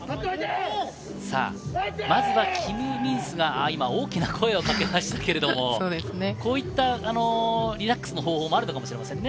まずキム・ミンスが大きな声をかけましたけれど、こういったリラックスの方法もあるのかもしれないですね。